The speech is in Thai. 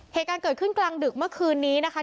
เหตุการณ์เกิดขึ้นกลางดึกเมื่อคืนนี้นะคะ